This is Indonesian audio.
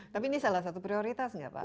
tapi ini salah satu prioritas nggak pak